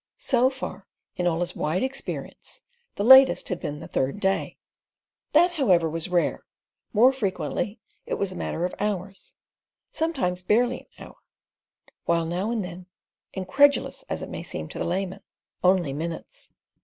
So far in all his wide experience the latest had been the third day. That, however, was rare; more frequently it was a matter of hours, sometimes barely an hour, while now and then—incredulous as it may seem to the layman—only minutes.